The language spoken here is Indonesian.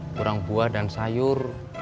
kurang buah dan sayur